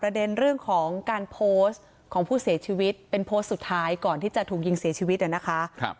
แล้วพูดของผู้เสียชีวิตเป็นโพสต์สุดท้ายก่อนที่จะถูกยิงเสียชีวิตนะคะ